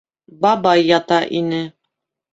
Бабай ята ине.